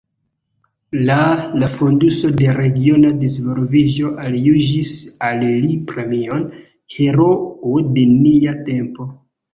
La la Fonduso de Regiona Disvolviĝo aljuĝis al li premion «Heroo de nia tempo».